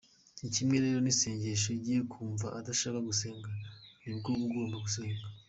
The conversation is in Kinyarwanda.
Ni kimwe rero n’isengesho ; igihe wumva udashaka gusenga ni bwo uba ugomba gusenga.